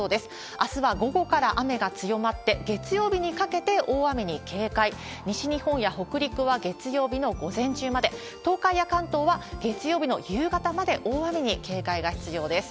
あすは午後から雨が強まって、月曜日にかけて大雨に警戒、西日本や北陸は月曜日の午前中まで、東海や関東は月曜日の夕方まで、大雨に警戒が必要です。